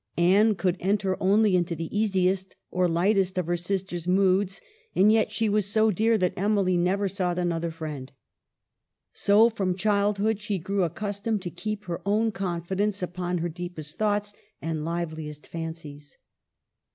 Anne could enter only into the easiest or lightest of her sister's moods, and yet she was so dear that Emily never sought another friend. So from childhood she grew accustomed to keep her own confidence upon her deepest thoughts and live liest fancies.